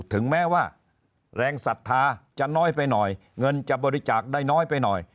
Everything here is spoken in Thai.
ถึงแม้ว่าแรงศรัทธาจะน้อยไปหน่อยเงินจะบริจาคได้น้อยไปหน่อย